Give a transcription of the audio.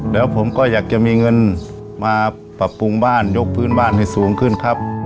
แล้วผมก็อยากจะมีเงินมาปรับปรุงบ้านยกพื้นบ้านให้สูงขึ้นครับ